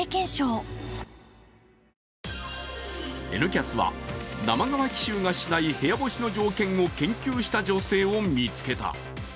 「Ｎキャス」は、生乾き臭がしない部屋干しの条件を研究した女性を見つけた。